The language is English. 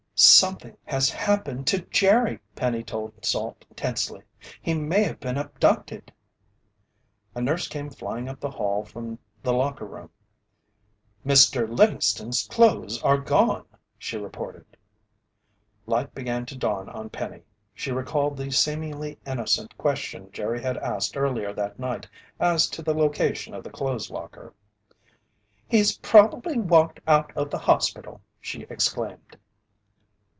"Something has happened to Jerry!" Penny told Salt tensely. "He may have been abducted!" A nurse came flying up the hall from the locker room. "Mr. Livingston's clothes are gone!" she reported. Light began to dawn on Penny. She recalled the seemingly innocent question Jerry had asked earlier that night as to the location of the clothes locker. "He's probably walked out of the hospital!" she exclaimed.